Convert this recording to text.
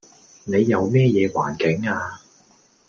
你又咩嘢環境呀